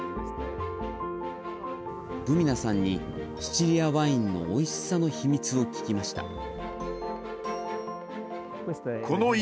グミナさんにシチリアワインのおいしさの秘密を聞きました。